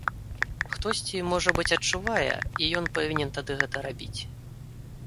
Хтосьці, можа быць, адчувае, і ён павінен тады гэта рабіць.